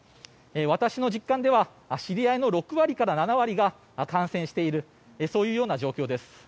私の実感では知り合いの６割から７割が感染しているそういうような状況です。